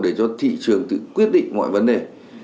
để cho thị trường tự quyết định mọi vấn đề